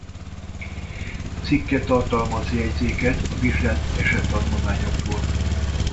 Cikke tartalmaz jegyzéket a vizsgált esettanulmányokról.